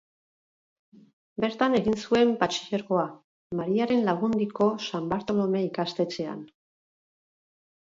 Bertan egin zuen batxilergoa, Mariaren Lagundiko San Bartolome ikastetxean.